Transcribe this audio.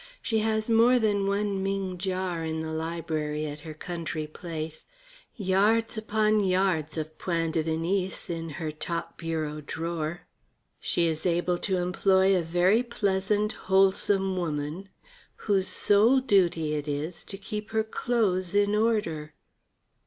She has more than one Ming jar in the library at her country place; yards upon yards of point de Venise in her top bureau drawer. She is able to employ a very pleasant, wholesome woman, whose sole duty it is to keep her clothes in order.